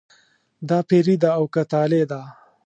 دا پیري ده او که طالع ده.